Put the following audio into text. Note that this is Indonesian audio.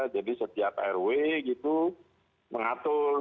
jadi setiap rw mengatur